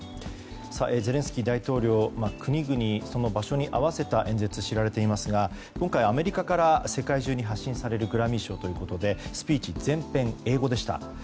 ゼレンスキー大統領国々、その場所に合わせた演説で知られていますが今回、アメリカから世界中に発信されるグラミー賞ということでスピーチ全編英語でした。